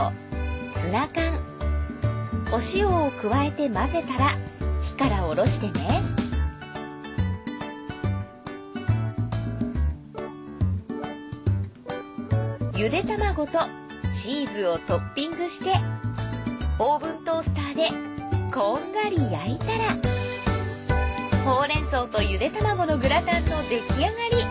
ツナ缶お塩を加えて混ぜたら火からおろしてねゆで卵とチーズをトッピングしてオーブントースターでこんがり焼いたらほうれん草とゆで卵のグラタンの出来上がり。